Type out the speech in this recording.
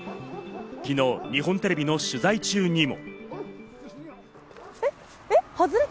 昨日、日本テレビの取材中にも。